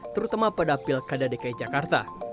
terutama pada pilkada dki jakarta